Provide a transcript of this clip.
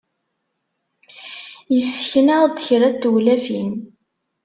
Yessken-aɣ-d kra n tewlafin.